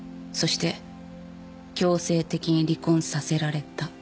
そして強制的に離婚させられた。